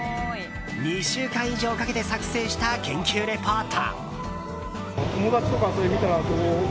２週間以上かけて作成した研究レポート。